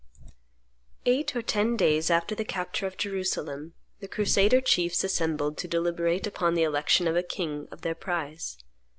Eight or ten days after the capture of Jerusalem, the crusader chiefs assembled to deliberate upon the election of a king of their prize.